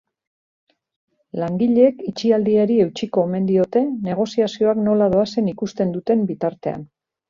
Langileek itxialdiari eutsiko omen diote negoziazioak nola doazen ikusten duten bitartean.